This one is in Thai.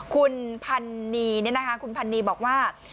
คุณพันนีนี่นะคะคุณพันนีบอกว่า